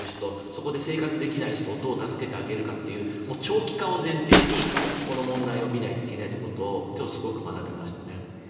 そこで生活できない人をどう助けてあげるかという長期化を前提に、この問題を見ないといけないということを今日、すごく学びましたね。